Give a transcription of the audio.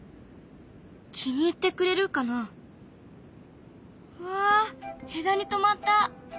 気に入ってくれるかな？わ枝にとまった。